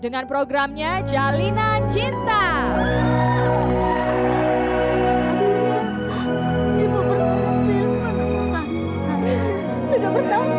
tentang dominasi istri dalam kelas